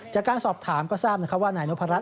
จากการสอบถามก็ทราบว่านายนพรัช